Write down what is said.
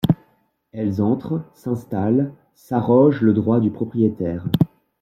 Elles entrent, s’installent, s’arrogent le droit du propriétaire.